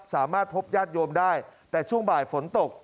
สามารถพบญาติโยมได้แต่ช่วงบ่ายฝนตก